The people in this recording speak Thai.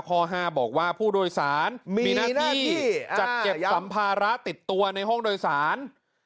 ข้อ๕บอกว่าผู้โดยสารมีหน้าที่จัดเก็บสัมภาระติดตัวในห้องโดยสาร